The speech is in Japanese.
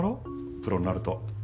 プロになると。